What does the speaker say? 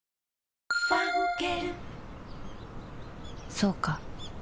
そうか